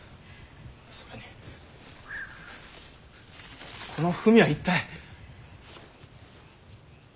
それにこの文は一体？